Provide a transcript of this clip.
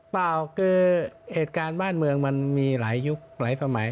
เปล่าคือเหตุการณ์บ้านเมืองมันมีหลายยุคหลายสมัย